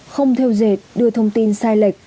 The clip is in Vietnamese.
không theo dệt đưa thông tin sai lệch